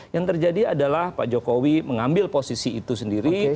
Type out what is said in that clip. yang terjadi adalah pak jokowi mengambil posisi itu sendiri